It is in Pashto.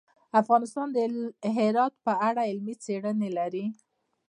افغانستان د هرات په اړه علمي څېړنې لري.